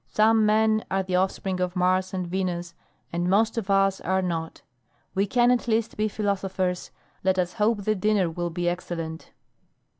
"Some men are the offspring of Mars and Venus and most of us are not. We can at least be philosophers. Let us hope the dinner will be excellent."